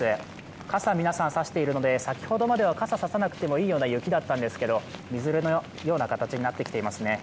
傘を皆さん差しているので先ほどまでは傘差さなくてもいいような雪だったんですけれども、みぞれのような形になってきていますね。